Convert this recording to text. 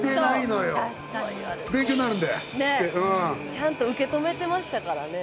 ちゃんと受け止めてましたから。